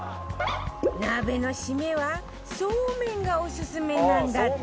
鍋のシメはそうめんがオススメなんだって